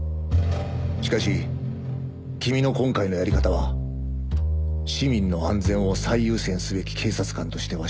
しかし君の今回のやり方は市民の安全を最優先すべき警察官としては失格だ。